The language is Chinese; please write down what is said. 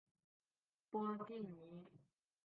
波蒂尼。